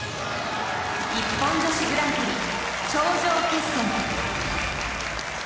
［ＩＰＰＯＮ女子グランプリ頂上決戦］